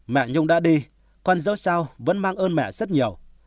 mẹ nhung đã đi con dấu sao vẫn mang ơn mẹ rất nhiều